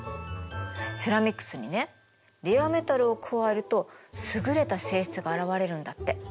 セラミックスにねレアメタルを加えると優れた性質があらわれるんだって。